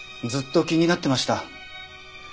ずっと気になってました。